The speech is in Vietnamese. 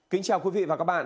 kính chào quý vị và các bạn